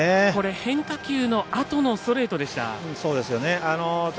変化球のあとのストレートでした。